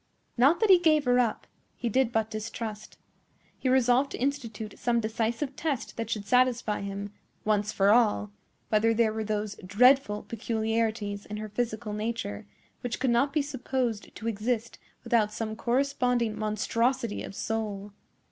Not that he gave her up; he did but distrust. He resolved to institute some decisive test that should satisfy him, once for all, whether there were those dreadful peculiarities in her physical nature which could not be supposed to exist without some corresponding monstrosity of soul.